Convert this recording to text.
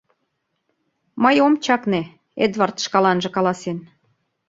— Мый ом чакне, — Эдвард шкаланже каласен.